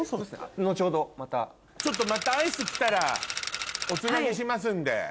ちょっとまたアイス来たらおつなぎしますんで。